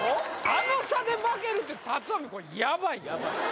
あの差で負けるって龍臣これヤバいよ